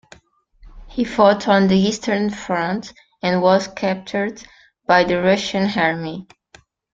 He fought on the Eastern front and was captured by the Russian army.